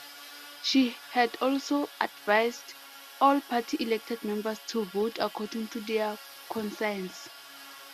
She had also advised all party elected members to vote according to their conscience.